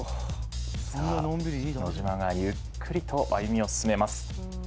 さあ野島がゆっくりと歩みを進めます。